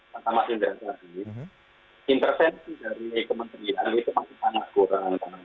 pertama tindakan ini intervensi dari kementerian itu masih sangat kurang